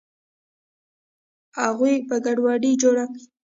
اغوئ به ګډوډي جوړه کي.